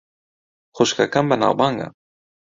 خوشکەکەم بەناوبانگە.